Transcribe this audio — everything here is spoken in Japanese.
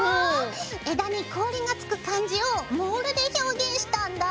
枝に氷がつく感じをモールで表現したんだ。